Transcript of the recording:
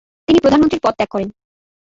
তিনি প্রধানমন্ত্রীর পদ ত্যাগ করেন।